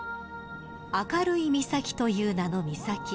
明るい岬という名の岬。